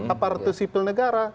apartus sipil negara